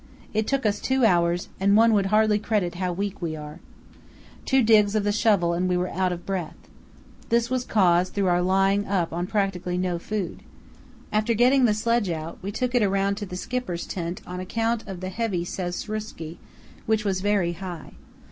It took us two hours, and one would hardly credit how weak we were. Two digs of the shovel and we were out of breath. This was caused through our lying up on practically no food. After getting sledge out we took it around to the Skipper's tent on account of the heavy sastrugi, which was very high.